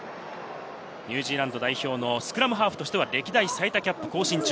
ニュージーランド代表のスクラムハーフとして、歴代最多キャップ更新中。